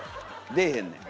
出えへんねん。